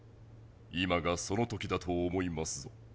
今がそのときだと思いますぞ。